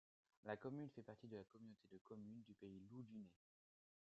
La commune fait partie de la communauté de communes du Pays Loudunais.